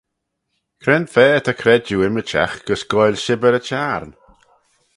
Cre'n fa ta credjue ymmyrçhagh gys goaill shibbyr y çhiarn?